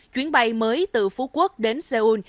chuyến bay mới từ phú quốc đến seoul